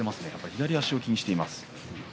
左足を気にしています。